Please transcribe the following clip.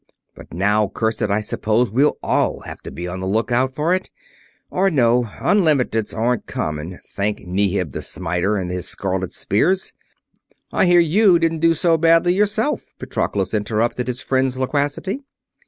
But now, curse it, I suppose that we'll all have to be on the lookout for it or no, unlimiteds aren't common, thank Ninib the Smiter and his scarlet spears!" "I hear you didn't do so badly, yourself," Patroclus interrupted his friend's loquacity.